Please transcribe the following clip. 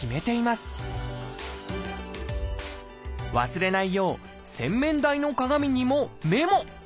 忘れないよう洗面台の鏡にもメモ！